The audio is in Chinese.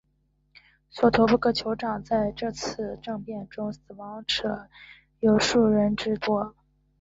索头部各酋长在这次政变中死亡者有数十人之多。